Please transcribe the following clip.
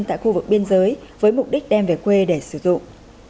tại khu vực biên giới với mục đích đem về quê để sử dụng